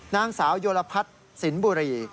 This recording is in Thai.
นางสาวโยลพัฒน์สินบุรี